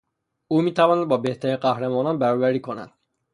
او میتواند با بهترین قهرمانان برابری کند.